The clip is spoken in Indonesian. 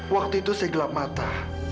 waktu itu saya gelap mata